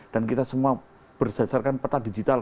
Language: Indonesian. dan kita semua berdasarkan peta digital